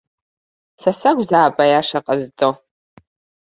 Са сакәзаап аиаша ҟазҵо!